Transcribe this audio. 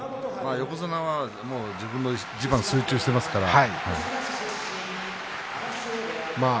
横綱は、自分の一番に集中していますからね。